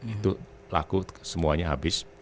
itu laku semuanya habis